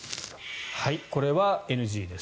これはＮＧです。